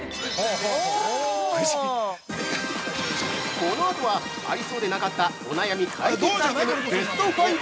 ◆このあとは、ありそうでなかったお悩み解決アイテム